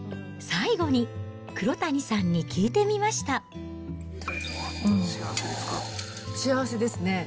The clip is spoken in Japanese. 最後に、黒谷さんに聞いてみ今、幸せですね。